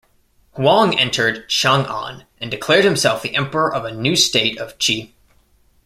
Huang entered Chang'an and declared himself the emperor of a new state of Qi.